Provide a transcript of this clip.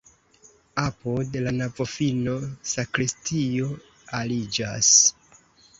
Apud la navofino sakristio aliĝas.